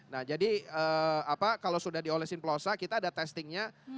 nah jadi kalau sudah diolesin plosa kita ada testingnya